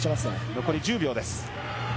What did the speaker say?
残り１０秒です。